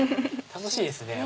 楽しいですね。